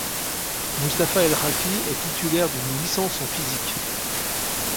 Mustapha El Khalfi est titulaire d'une licence en physique.